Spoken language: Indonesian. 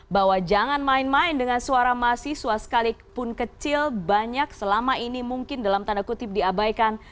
bahwa jangan main main dengan suara mahasiswa sekalipun kecil banyak selama ini mungkin dalam tanda kutip diabaikan